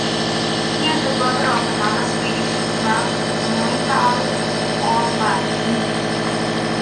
He is the brother of another Swedish swimmer, Mikael Holmertz.